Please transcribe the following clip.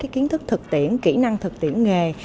kiến thức thực tiễn kỹ năng thực tiễn nghề